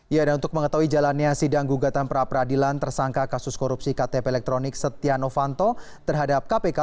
ya dan untuk mengetahui jalannya sidang gugatan pra peradilan tersangka kasus korupsi ktp elektronik setia novanto terhadap kpk